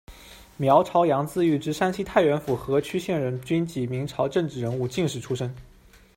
苗朝阳，字遇之，山西太原府河曲县人，军籍，明朝政治人物、进士出身。